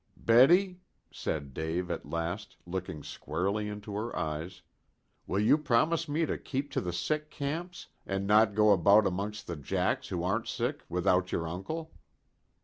"Betty," said Dave at last, looking squarely into her eyes, "will you promise me to keep to the sick camps, and not go about amongst the 'jacks' who aren't sick without your uncle?"